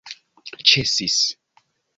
ĉesis